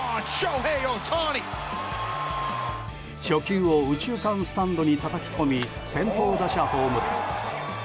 初球を右中間スタンドにたたき込み先頭打者ホームラン。